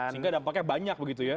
sehingga dampaknya banyak begitu ya